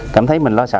cảm thấy mình lo sợ